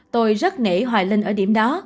tôi rất nể hoài linh ở điểm đó